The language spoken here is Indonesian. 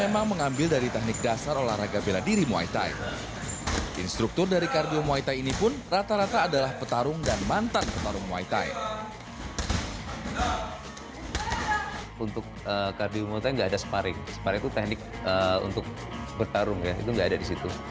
misalnya nggak ada sparring sparring itu teknik untuk bertarung itu nggak ada di situ